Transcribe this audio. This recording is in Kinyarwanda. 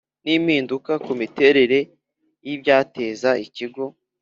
n impinduka ku miterere y ibyateza ikigo